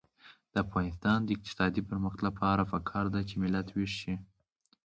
د افغانستان د اقتصادي پرمختګ لپاره پکار ده چې ملت ویښ شي.